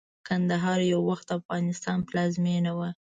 کندهار يٶوخت دافغانستان پلازمينه وه